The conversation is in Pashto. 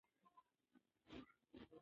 ایا ته به بیا کله د رڼا په تمه کښېنې؟